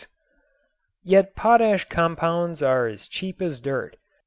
] Yet potash compounds are as cheap as dirt.